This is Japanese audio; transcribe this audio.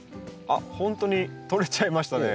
あっほんとに取れちゃいましたね。